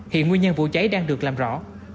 hiện nguyên nhân vụ cháy đang được làm rõ